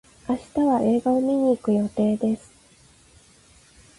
明日は映画を見に行く予定です。